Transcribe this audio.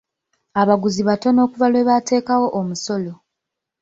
Abaguzi batono okuva lwe baateekawo omusolo.